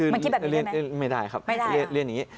มันคิดแบบนี้ได้ไหมไม่ได้ครับเรียนอย่างนี้